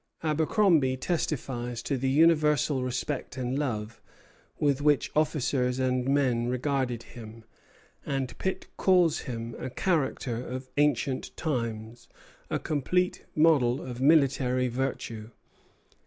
Abercromby testifies to the universal respect and love with which officers and men regarded him, and Pitt calls him "a character of ancient times; a complete model of military virtue."